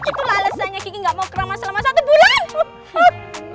itulah alasannya kiki gak mau keramas selama satu bulan